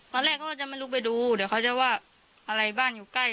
ตอนแรกเขาก็จะไม่ลุกไปดูเดี๋ยวเขาจะว่าอะไรบ้านอยู่ใกล้